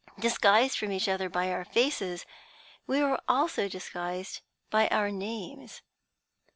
Disguised from each other by our faces, we were also disguised by our names.